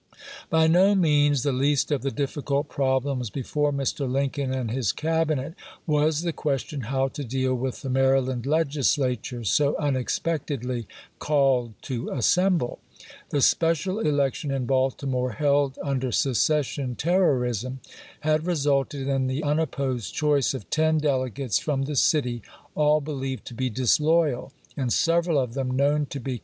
By no means the least of the difficult problems before Mr. Lincoln and his Cabinet was the ques tion how to deal with the Maryland Legislature, so unexpectedly called to assemble. The special election in Baltimore,^ held under secession terror ism, had resulted in the unopposed choice of ten delegates from the city, all believed to be disloyal, and several of them known to be conspicuous se 1 "As the Legislature, at its last field, J.